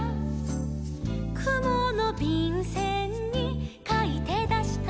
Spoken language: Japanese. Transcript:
「くものびんせんにかいてだした」